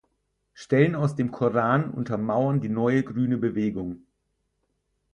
Stellen aus dem Koran untermauern die neue grüne Bewegung.